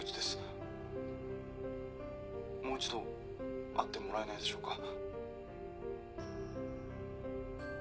もう一度会ってもらえないでしょうか？